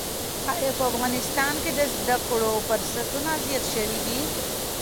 ایا په افغانستان کې د زده کړو فرصتونه زیات شوي دي؟